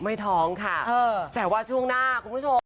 ท้องค่ะแต่ว่าช่วงหน้าคุณผู้ชม